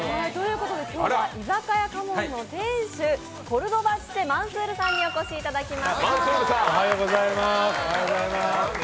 今日は居酒屋花門の店主コルドバッチェ・マンスールさんにお越しいただきました。